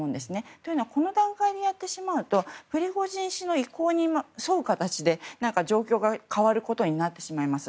というのはこの段階でやってしまうとプリゴジン氏の意向に沿う形で状況が変わることになってしまいます。